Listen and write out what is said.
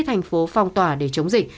thành phố phong tỏa để chống dịch